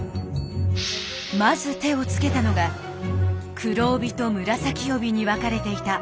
まず手を付けたのが黒帯と紫帯に分かれていた派閥でした。